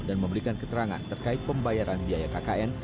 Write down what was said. dan memberikan keterangan terkait pembayaran biaya kkn